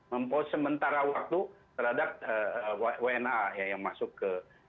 mempost sementara waktu terhadap wna yang masuk ke